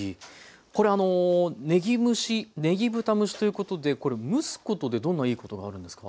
これあのねぎ蒸しねぎ豚蒸しということでこれ蒸すことでどんないいことがあるんですか？